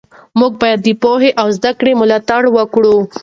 موږ باید د پوهې او زده کړې ملاتړ وکړو.